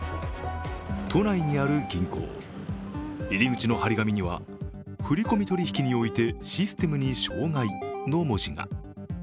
都内にある銀行、入り口の貼り紙には振り込み取り引きにおいて、システムに障害の文字が。